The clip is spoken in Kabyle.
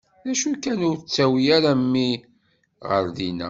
D acu kan, ur ttawi ara mmi ɣer dinna.